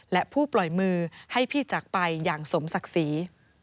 และผู้ปล่อยมือให้พี่จากไปอย่างสมศักดิ์ศรี